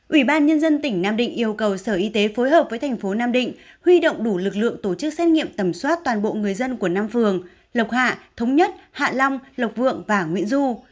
ủy ban nhân dân tỉnh nam định yêu cầu sở y tế phối hợp với thành phố nam định huy động đủ lực lượng tổ chức xét nghiệm tầm soát toàn bộ người dân của năm phường lộc hạ thống nhất hạ long lộc vượng và nguyễn du